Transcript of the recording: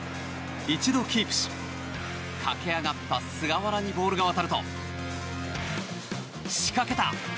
一度、キープし駆け上がった菅原にボールが渡ると仕掛けた。